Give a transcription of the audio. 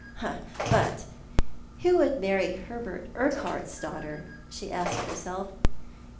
"But who would marry Hubert Urquhart's daughter?" she asked herself.